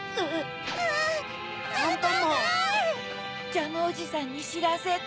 ジャムおじさんにしらせて。